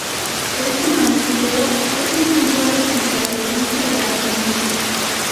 Este mausoleo es un símbolo de la provincia de Artemisa.